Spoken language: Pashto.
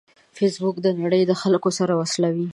فېسبوک د نړۍ د خلکو سره وصلوي